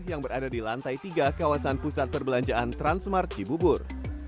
yang berada di lantai tiga kawasan pusat perbelanjaan transmart cibubur